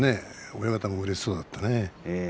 親方もうれしそうだったね。